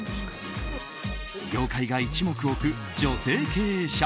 業界が一目置く女性経営者。